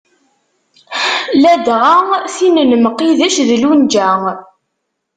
Ladɣa tin n Mqidec d lunja.